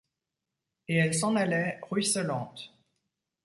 Et elle s’en allait, ruisselante.